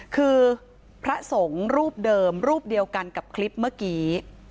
คือพระสงฆ์รูปเดิมรูปเดียวกันกับคลิปเมื่อกี้